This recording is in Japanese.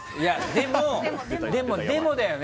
でもでもだよね。